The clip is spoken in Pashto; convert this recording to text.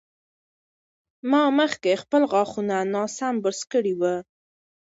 ما مخکې خپل غاښونه ناسم برس کړي وو.